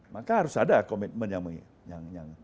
maka harus ada komitmen yang